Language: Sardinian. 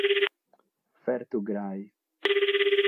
Fertu grae.